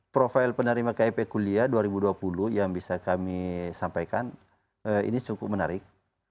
profil penerima kip kuliah dua ribu dua puluh yang bisa kami sampaikan ini cukup menarik